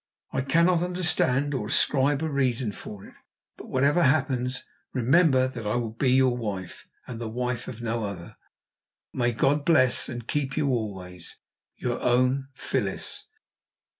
I cannot understand it or ascribe a reason for it. But whatever happens, remember that I will be your wife, and the wife of no other. "May God bless and keep you always. "Your own, "PHYLLIS.